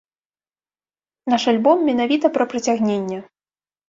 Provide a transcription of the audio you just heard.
Наш альбом менавіта пра прыцягненне.